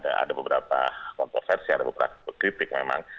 ada beberapa kontroversi ada beberapa kritik memang